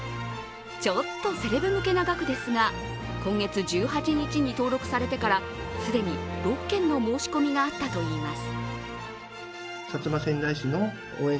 ちょっとセレブ向けな額ですが今月１８日に登録されてから既に６件の申し込みがあったといいます。